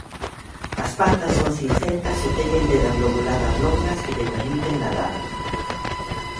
As patas son cincentas e teñen dedas lobuladas longas que lle permiten nadar.